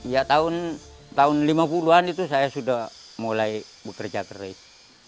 ya tahun lima puluh an itu saya sudah mulai bekerja keras